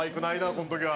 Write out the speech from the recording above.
この時は。